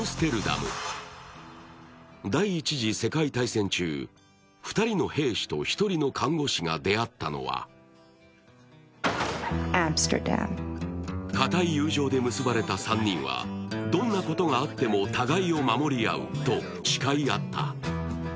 第一次世界大戦中、２人の兵士と１人の看護師が出会ったのは固い友情で結ばれた３人はどんなことがあっても互いを守り合うと誓い合った。